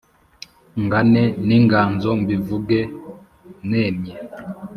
ngane n’inganzo mbivuge nemye,